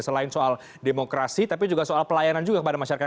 selain soal demokrasi tapi juga soal pelayanan juga kepada masyarakat